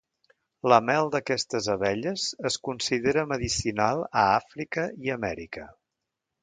La mel d'aquestes abelles es considera medicinal a Àfrica i Amèrica.